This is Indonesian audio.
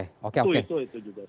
itu itu itu juga